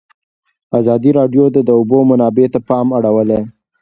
ازادي راډیو د د اوبو منابع ته پام اړولی.